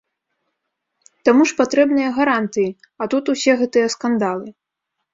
Таму ж патрэбныя гарантыі, а тут усе гэтыя скандалы.